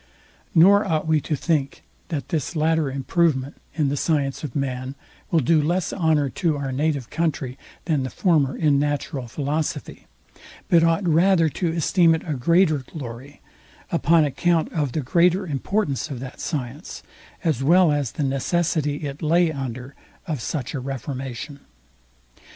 Nor ought we to think, that this latter improvement in the science of man will do less honour to our native country than the former in natural philosophy, but ought rather to esteem it a greater glory, upon account of the greater importance of that science, as well as the necessity it lay under of such a reformation.